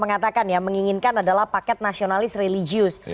mengatakan ya menginginkan adalah paket nasionalis religius